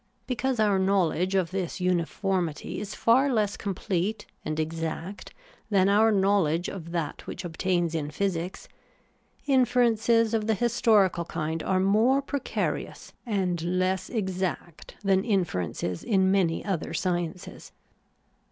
Because our knowledge of this uniformity is far less complete and exact than our knowledge of that which obtains in physics, inferences of the historical kind are more precarious and less exact than inferences in many other sciences.